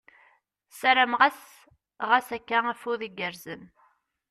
Ssarameɣ-as ɣas akka, afud igerrzen !